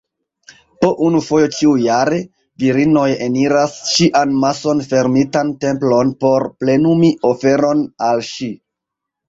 Po unu fojo ĉiujare, virinoj eniras ŝian mason-fermitan templon por plenumi oferon al ŝi.